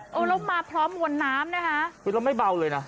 เรามาพร้อมวนน้ำนะฮะเราไม่เบาเลยนะ